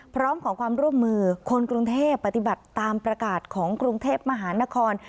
พร้อมขอความร่วมมือคนกรุงเทพปฏิบัติตามประกาศของกรุงเทพมหานคร